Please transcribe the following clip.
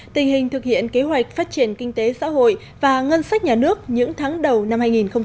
tình hình thực hiện kế hoạch phát triển kinh tế xã hội và ngân sách nhà nước những tháng đầu năm hai nghìn một mươi chín